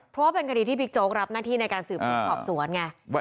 เพราะว่าเป็นคดีที่บิ๊กโจ๊กรับหน้าที่ในการสืบสวนสอบสวนไง